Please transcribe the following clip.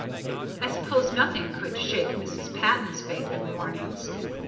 I suppose nothing could shake Mrs. Patton's faith in warnings.